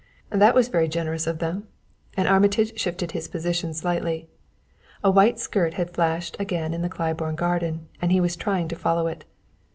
"That was very generous of them;" and Armitage shifted his position slightly. A white skirt had flashed again in the Claiborne garden and he was trying to follow it.